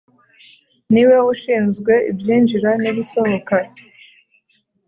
Niwe ushizwe ibyinjira nibisohoka